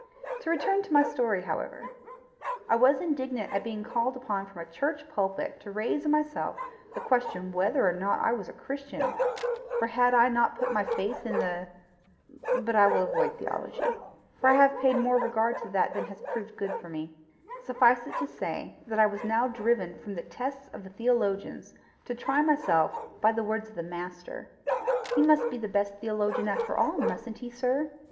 To return to my story, however: I was indignant at being called upon from a church pulpit to raise in myself the question whether or not I was a Christian; for had I not put my faith in the ? But I will avoid theology, for I have paid more regard to that than has proved good for me. Suffice it to say that I was now driven from the tests of the theologians to try myself by the words of the Master: he must be the best theologian after all, mustn't he, sir?